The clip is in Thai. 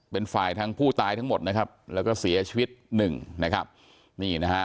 เป็นฝ่ายทั้งผู้ตายทั้งหมดนะครับแล้วก็เสียชีวิตหนึ่งนะครับนี่นะฮะ